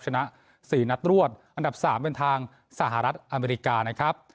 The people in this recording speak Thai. ชนะ๔นัดรวดอันดับ๓เป็นทางสหรัฐอเมริกานะครับ